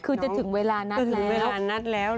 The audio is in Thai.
คือเธอจะถึงเวลานัดแล้ว